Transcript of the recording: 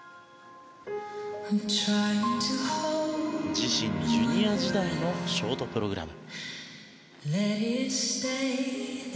自身ジュニア時代のショートプログラム。